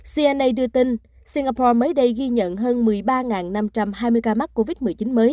cnna đưa tin singapore mới đây ghi nhận hơn một mươi ba năm trăm hai mươi ca mắc covid một mươi chín mới